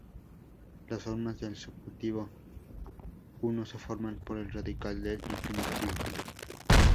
Las formas del Subjuntivo I se forman por el radical del infinitivo.